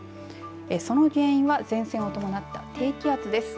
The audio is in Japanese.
その原因は前線を伴った低気圧です。